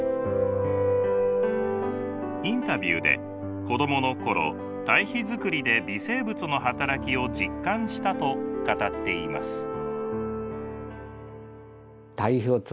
インタビューで子供の頃堆肥作りで微生物の働きを実感したと語っています。